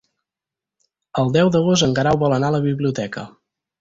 El deu d'agost en Guerau vol anar a la biblioteca.